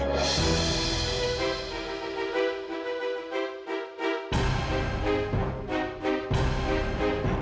kamilah akan makan